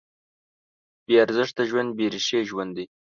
بېارزښته ژوند بېریښې ژوند دی.